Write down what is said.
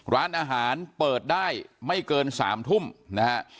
ร้านอาหารเปิดได้ไม่เกิน๓ทุ่มนะฮะ